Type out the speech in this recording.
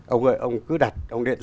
ông ơi ông cứ đặt